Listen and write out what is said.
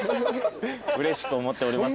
うれしく思っております。